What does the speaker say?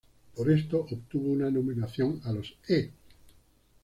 Por esto, obtuvo una nominación a los E!